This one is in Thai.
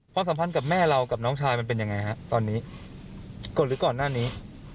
สัมพันธ์กับแม่เรากับน้องชายมันเป็นยังไงฮะตอนนี้กดหรือก่อนหน้านี้